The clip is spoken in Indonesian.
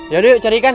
yaudah yuk cari ikan